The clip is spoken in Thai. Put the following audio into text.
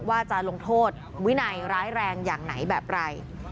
ว่าจะลงโทษวินัยร้ายแรงอย่างไหนแบบไร